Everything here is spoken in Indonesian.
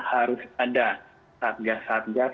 harus ada tatgas tatgas